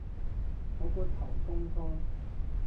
我個頭痛痛